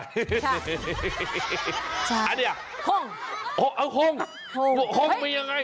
อันเนี่ยห่งเอ้าห่งห่งมียังไง